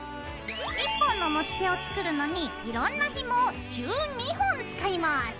１本の持ち手を作るのにいろんなひもを１２本使います。